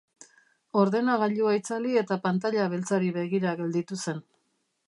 Ordenagailua itzali eta pantaila beltzari begira gelditu zen.